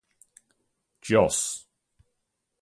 Jos.